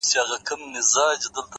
مهرباني د انسانیت ښکلی عطر دی،